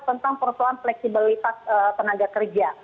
tentang persoalan fleksibilitas tenaga kerja